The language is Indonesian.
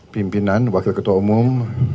pimpinan wakil ketua umum